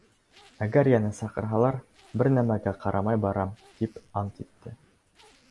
Әгәр йәнә саҡырһалар, бер нәмәгә ҡарамай барам, тип ант итте!